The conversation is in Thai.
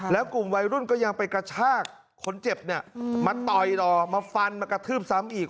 แล้วกลุ่มวัยรุ่นก็ยังไปกระชากคนเจ็บเนี่ยมาต่อยต่อมาฟันมากระทืบซ้ำอีก